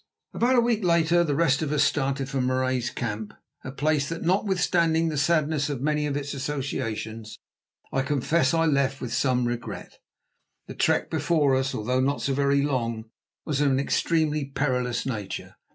About a week later the rest of us started from Marais's camp, a place that, notwithstanding the sadness of many of its associations, I confess I left with some regret. The trek before us, although not so very long, was of an extremely perilous nature.